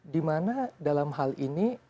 dimana dalam hal ini